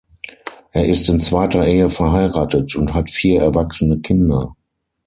Er ist in zweiter Ehe verheiratet und hat vier erwachsene Kinder.